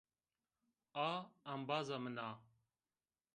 A embaza min a